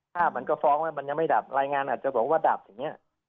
ถ้ามันก็ฟ้องแล้วมันยังไม่ดับรายงานอาจจะบอกว่าดับอย่างนี้